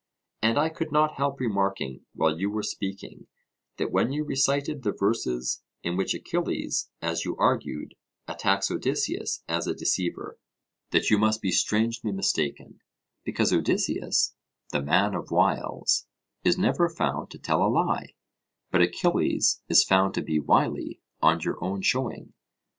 And I could not help remarking while you were speaking, that when you recited the verses in which Achilles, as you argued, attacks Odysseus as a deceiver, that you must be strangely mistaken, because Odysseus, the man of wiles, is never found to tell a lie; but Achilles is found to be wily on your own showing.